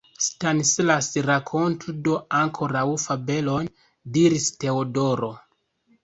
Stanislas, rakontu do ankoraŭ fabelon! diris Teodoro.